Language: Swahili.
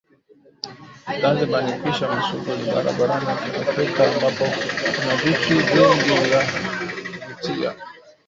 Zanzibar ni kisiwa mashuhuli barani Afrika ambapo kuna vitu vingi vya kuvutia